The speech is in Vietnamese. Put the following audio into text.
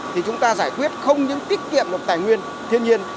thì chúng ta giải quyết không những tiết kiệm được tài nguyên thiên nhiên